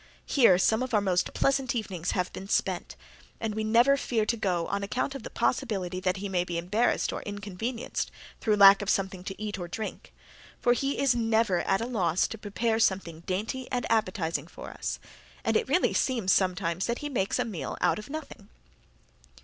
Here some of our most pleasant evenings have been spent, and we never fear to go on account of the possibility that he may be embarrassed or inconvenienced through lack of something to eat or drink, for he is never at a loss to prepare something dainty and appetizing for us, and it really seems, sometimes, that he makes a meal out of nothing.